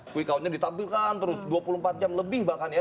kwi count nya ditampilkan terus dua puluh empat jam lebih bahkan ya